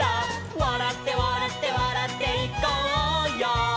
「わらってわらってわらっていこうよ」